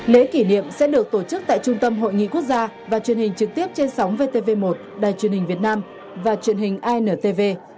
lễ kỷ niệm sẽ được tổ chức tại trung tâm hội nghị quốc gia và truyền hình trực tiếp trên sóng vtv một đài truyền hình việt nam và truyền hình intv